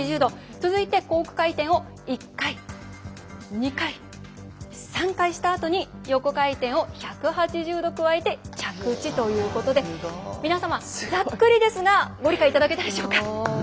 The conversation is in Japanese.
続いてコーク回転を１回、２回、３回したあとに横回転を１８０度加えて着地ということで皆様、ざっくりですがご理解いただけたでしょうか。